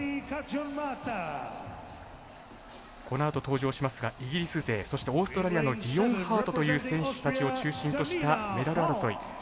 このあと登場しますがイギリス勢そしてオーストラリアのリオンハートという選手たちを中心としたメダル争い。